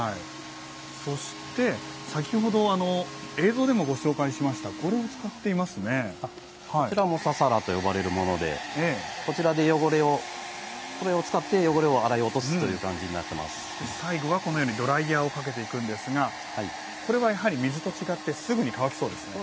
そして、先ほど映像でもご紹介しましたこちらもササラと呼ばれるものでこちらで汚れをこれを使って汚れを洗い落とすという感じに最後はこのようにドライヤーをかけていくんですがこれはやはり水と違ってそうですね。